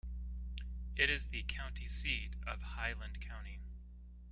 It is the county seat of Highland County.